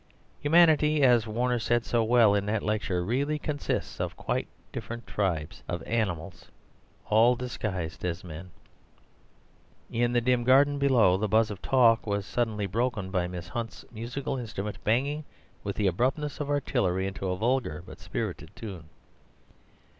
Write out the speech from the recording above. Humanity, as Warner said so well in that lecture, really consists of quite different tribes of animals all disguised as men." In the dim garden below the buzz of talk was suddenly broken by Miss Hunt's musical instrument banging with the abruptness of artillery into a vulgar but spirited tune.